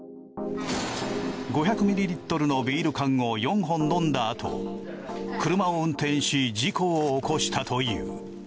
５００ｍｌのビール缶を４本飲んだあと車を運転し事故を起こしたという。